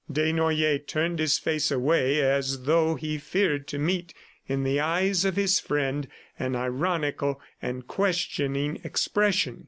Desnoyers turned his face away as though he feared to meet in the eyes of his friend, an ironical and questioning expression.